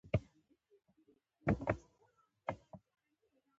خوست ولایت د افغانستان په سویل ختيځ کې پروت دی.